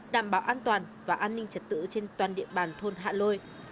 đảm bảo an toàn và an ninh trật tự trên toàn địa bàn thôn hạ lôi